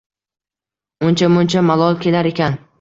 Uncha-muncha malol kelar ekan.